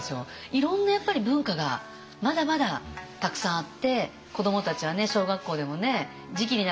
いろんなやっぱり文化がまだまだたくさんあって子どもたちはね小学校でもね時期になるとね